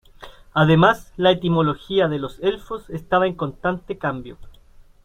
Además, la etimología de los elfos estaba en constante cambio.